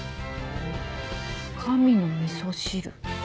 神の味噌汁。